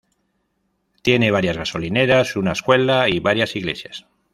Tiene varias gasolineras, una escuela y varias iglesias